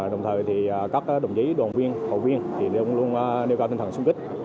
đồng thời thì các đồng chí đồng viên hậu viên thì luôn luôn đeo cao tinh thần súng kích